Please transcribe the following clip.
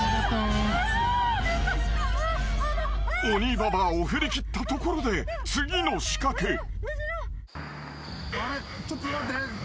［鬼ババアを振り切ったところで次の仕掛け］